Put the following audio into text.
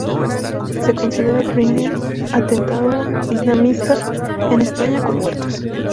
Se considera el primer atentado islamista en España con muertos.